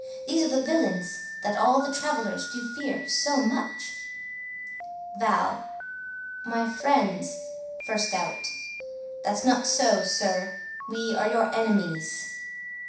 these are the villains That all the travellers do fear so much. Val: My friends,— 1st Out: That's not so, sir, we are your enemies.